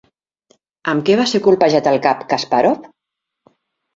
Amb què va ser colpejat al cap a Kaspàrov?